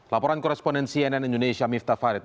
laporan koresponden cnn indonesia miftah farid